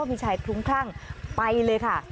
มีชายคลุ้มคลั่งไปเลยค่ะ